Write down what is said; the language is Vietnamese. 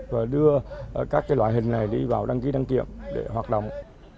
và đưa các loại hình này đi vào đăng ký đăng kiểm để hoạt động